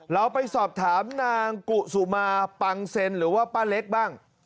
เราไปสอบถามนางกุสุมาปังเซ็นหรือว่าป้าเล็กบ้าง